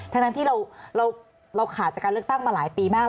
ทั้งนั้นที่เราขาดจากการเลือกตั้งมาหลายปีมาก